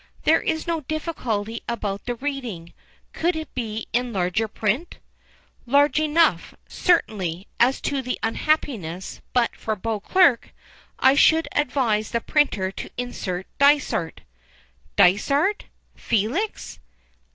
"There is no difficulty about the reading. Could it be in larger print?" "Large enough, certainly, as to the unhappiness, but for 'Beauclerk' I should advise the printer to insert Dysart.'" "Dysart? Felix?"